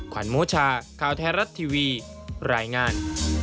ขวัญโมชาข่าวไทยรัฐทีวีรายงาน